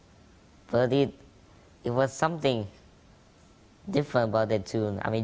tapi itu adalah sesuatu yang berbeda dengan lagu itu